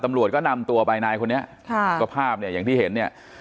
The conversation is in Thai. ตำรวจก็นำตัวไปนายคนนี้ค่ะก็ภาพเนี่ยอย่างที่เห็นเนี่ย